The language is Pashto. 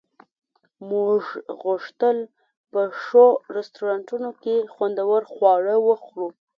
موږ غوښتل په ښو رستورانتونو کې خوندور خواړه وخورو